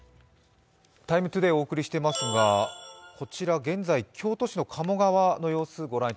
「ＴＩＭＥ，ＴＯＤＡＹ」お送りしていますが、こちら現在の京都市の鴨川の様子です。